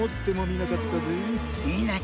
みなかったぜ。